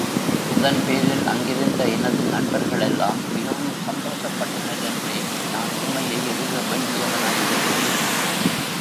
அதன்பேரில் அங்கிருந்த எனது நண்பர்களெல்லாம் மிகவும் சந்தோஷப்பட்டனரென்றே நான் உண்மையை எழுத வேண்டியவனாயிருக்கிறேன்.